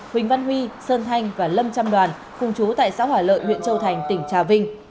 huỳnh văn huy sơn thanh và lâm trăm đoàn cùng chú tại xã hòa lợi huyện châu thành tỉnh trà vinh